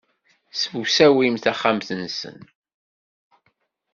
Ssemsawin taxxamt-nsen.